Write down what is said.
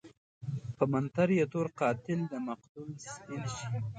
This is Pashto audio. په منتر يې تور قاتل دمقتل سپين شي